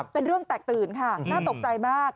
เป็นเรื่องแตกตื่นค่ะน่าตกใจมาก